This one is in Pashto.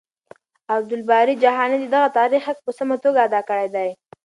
عبدالباري جهاني د دغه تاريخ حق په سمه توګه ادا کړی دی.